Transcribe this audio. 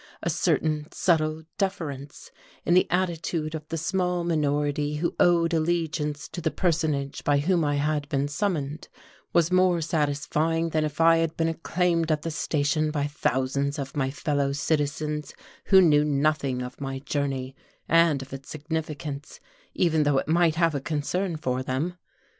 A certain subtle deference in the attitude of the small minority who owed allegiance to the personage by whom I had been summoned was more satisfying than if I had been acclaimed at the station by thousands of my fellow citizens who knew nothing of my journey and of its significance, even though it might have a concern for them.